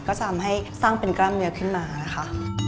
ก็ทำให้สร้างเป็นกล้ามเนื้อขึ้นมานะคะ